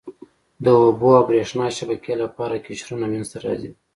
د اوبو او بریښنا شبکې لپاره قشرونه منځته راځي.